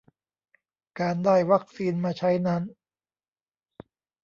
การได้วัคซีนมาใช้นั้น